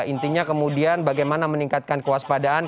intinya kemudian bagaimana meningkatkan kewaspadaan